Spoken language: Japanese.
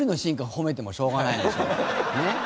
褒めてもしょうがないでしょ。ねえ。